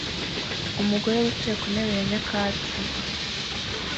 Umugore wicaye ku ntebe ya nyakatsi